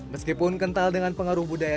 meskipun kental dengan pengaruh budaya